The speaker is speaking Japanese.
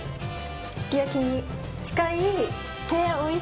すき焼きに近い。